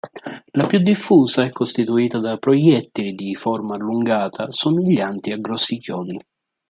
La più diffusa è costituita da proiettili di forma allungata, somiglianti a grossi chiodi.